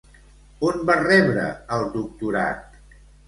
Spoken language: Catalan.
On va rebre el doctorat?